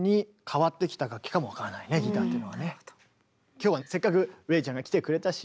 今日はせっかくＲｅｉちゃんが来てくれたし